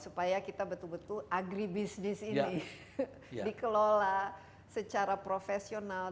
supaya kita betul betul agribisnis ini dikelola secara profesional